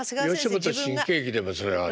吉本新喜劇でもそれは。